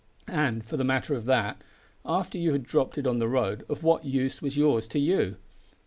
And, for the matter of that, after you had dropped it on the road of what use was yours to you?